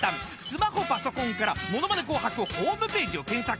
スマホパソコンから『ものまね紅白』ホームページを検索。